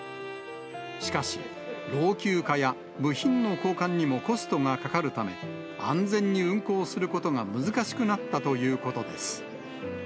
しかし、老朽化や部品の交換にもコストがかかるため、安全に運行することが難しくなったということです。